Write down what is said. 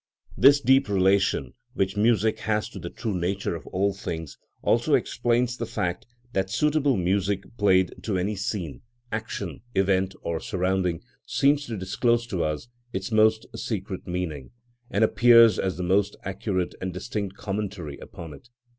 This deep relation which music has to the true nature of all things also explains the fact that suitable music played to any scene, action, event, or surrounding seems to disclose to us its most secret meaning, and appears as the most accurate and distinct commentary upon it.